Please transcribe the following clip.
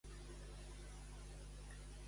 L'Estartit, l'Àfrica petita.